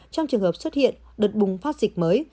trong trường hợp xuất hiện đợt bùng phát dịch mới